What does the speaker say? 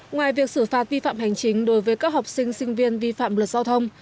ngoài việc xử phạt vi phạm hành chính đối với các học sinh sinh viên vi phạm luật giao thông